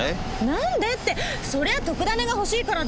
なんでってそりゃ特ダネがほしいからですよ。